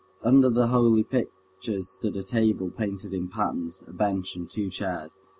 Under the holy pictures stood a table painted in patterns, a bench, and two chairs.